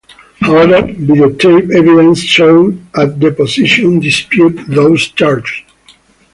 However, videotape evidence shown at deposition disputed those charges.